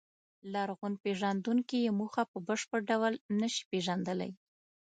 لرغونپېژندونکي یې موخه په بشپړ ډول نهشي پېژندلی.